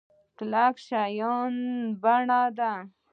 کلک شان ښه دی.